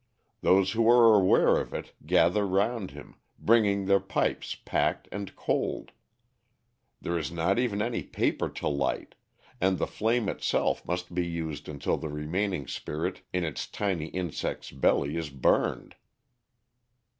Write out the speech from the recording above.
Those who are aware of it gather round him, bringing their pipes packed and cold. There is not even any paper to light, and the flame itself must be used until the remaining spirit in its tiny insect's belly is burned.